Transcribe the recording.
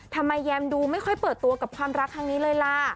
แยมดูไม่ค่อยเปิดตัวกับความรักครั้งนี้เลยล่ะ